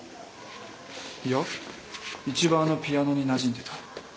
いや一番あのピアノになじんでた。